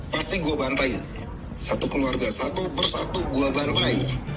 pasti gue bantai satu keluarga satu persatu gue bantai